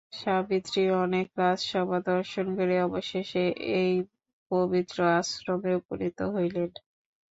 সাবিত্রী অনেক রাজসভা দর্শন করিয়া অবশেষে এই পবিত্র আশ্রমে উপনীত হইলেন।